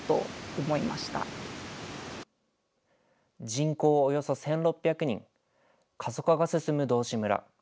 人口およそ１６００人、過疎化が進む道志村。